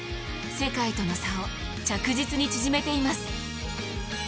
世界との差を着実に縮めています。